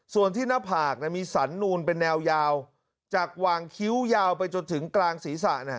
ส่วนที่หน้าผากมีสันนูนเป็นแนวยาวจากวางคิ้วยาวไปจนถึงกลางศีรษะ